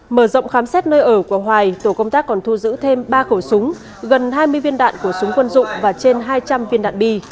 mở rộng khám xét nơi ở của hoài tổ công tác còn thu giữ thêm ba khẩu súng gần hai mươi viên đạn của súng quân dụng và trên hai trăm linh viên đạn bi